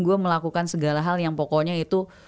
gue melakukan segala hal yang pokoknya itu